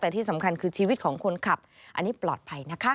แต่ที่สำคัญคือชีวิตของคนขับอันนี้ปลอดภัยนะคะ